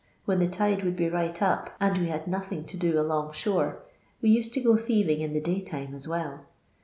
When the tide would be right up, and we had nothing to do along shore, we used to go thieving in the daytime as well.